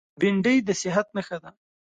بېنډۍ د صحت نښه ده